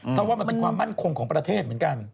เพราะว่ามันเป็นความมั่นคงของประเทศเหมือนกัน